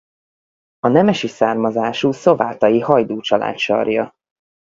A nemesi származású szovátai Hajdú család sarja.